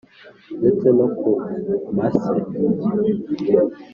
ndetse no ku Masse